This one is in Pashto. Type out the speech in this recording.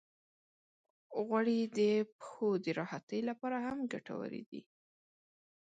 غوړې د پښو د راحتۍ لپاره هم ګټورې دي.